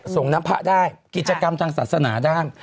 ส่งน้ำพระได้กิจกรรมทางศาสนาได้